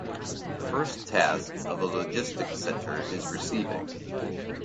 The first task of a logistics center is receiving.